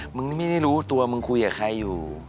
มึงนี่ไม่ได้รู้ตัวมึงคุยกับใครอยู่